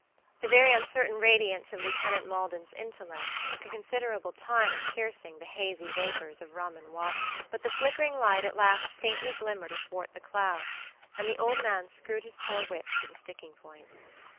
The very uncertain radiance of Lieutenant Maldon's intellect took a considerable time in piercing the hazy vapors of rum and water; but the flickering light at last faintly glimmered athwart the clouds, and the old man screwed his poor wits to the sticking point.